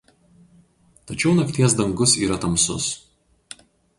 Tačiau nakties dangus yra tamsus.